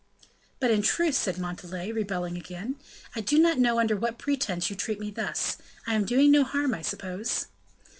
"But in truth," said Montalais, rebelling again, "I do not know under what pretense you treat me thus. I am doing no harm, I suppose?"